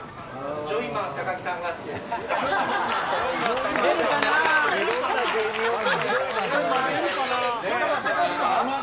ジョイマン・高木さんが好きジョイマン？